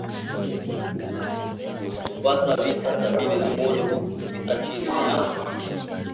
Aidha kuna kiwanja Mbezi mwisho ambacho tulitarajia kuanza kujenga mwakani baada ya kuoana!”